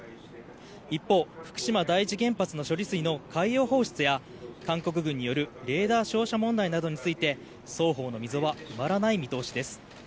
一方、福島第一原発の処理水の海洋放出や韓国軍によるレーザー照射問題などについて双方の溝は埋まらない見通しです。